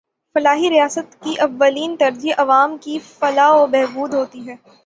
فلاحی ریاست کی اولین ترجیح عوام کی فلاح و بہبود ہوتی ہے